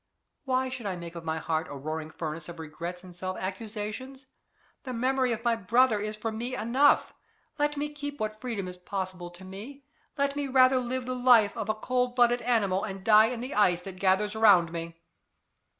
Why should I make of my heart a roaring furnace of regrets and self accusations? The memory of my brother is for me enough. Let me keep what freedom is possible to me; let me rather live the life of a cold blooded animal, and die in the ice that gathers about me.